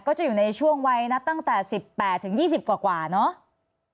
ก็จะอยู่ในช่วงวัยนับตั้งแต่๑๘ถึง๒๐กว่าเนาะ